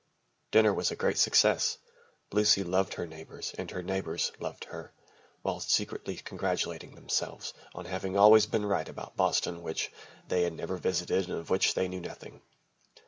Dinner was a great success. Lucy loved her neighbours and her neighbours loved her, while secretly congratulating themselves on having always been right about Boston (which they had never visited and of which they knew nothing).